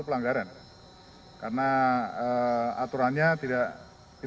mana yang tanya tadi